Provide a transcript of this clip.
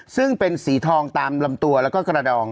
ซึ่งเป็นสีทองตามลำตัวแล้วก็กระดอง